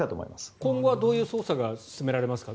今後はどういう捜査が進められますか？